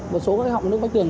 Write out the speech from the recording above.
một số hộng nước bách tường